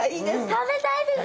食べたいです！